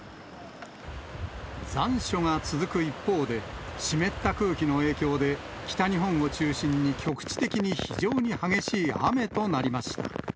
残暑が続く一方で、湿った空気の影響で、北日本を中心に局地的に非常に激しい雨となりました。